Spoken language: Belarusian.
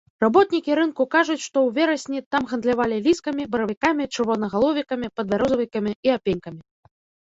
Работнікі рынку кажуць, што ў верасні там гандлявалі ліскамі, баравікамі, чырвонагаловікамі, падбярозавікамі і апенькамі.